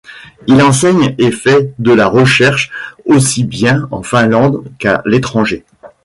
Il enseigne et fait de la recherche, aussi bien en Finlande qu'à l'étranger.